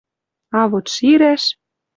А вот ширӓш